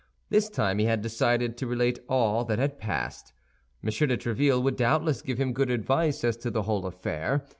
This time he had decided to relate all that had passed. M. de Tréville would doubtless give him good advice as to the whole affair.